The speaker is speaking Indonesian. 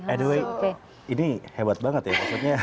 anyway ini hebat banget ya maksudnya